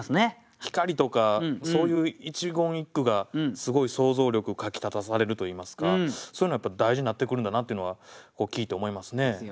「光」とかそういう一言一句がすごい想像力をかきたたされるといいますかそういうのやっぱ大事になってくるんだなというのは聞いて思いますね。